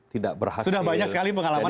tidak berhasil sudah banyak sekali pengalaman